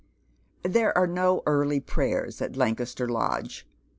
There are no early prayers at Lancaster Lodge.